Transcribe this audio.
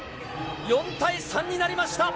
４対３になりました。